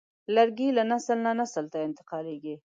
لرګی له نسل نه نسل ته انتقالېږي.